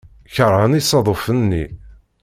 Keṛhen isaḍufen-nni.